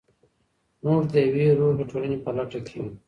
موږ د يوې روغي ټولني په لټه کي يو.